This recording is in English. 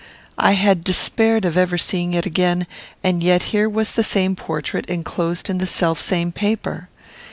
I had despaired of ever seeing it again, and yet here was the same portrait enclosed in the selfsame paper!